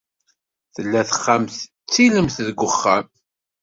Tella taxxamt d tilemt deg uxxam.